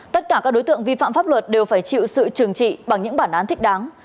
tất cả các đối tượng vi phạm pháp luật đều phải chịu sự trừng trị bằng những bản án thích đáng